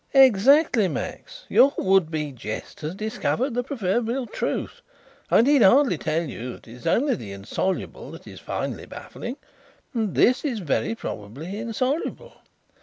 "Exactly, Max. Your would be jest has discovered the proverbial truth. I need hardly tell you that it is only the insoluble that is finally baffling and this is very probably insoluble.